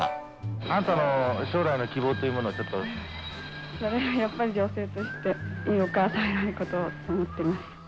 あなたの将来の希望というもそれはやっぱり女性として、いいお母さんになることを思ってます。